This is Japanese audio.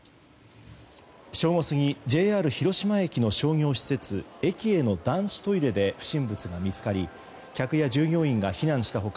正午過ぎＪＲ広島駅の商業施設エキエの男子トイレで、不審物が見つかり客や従業員が避難した他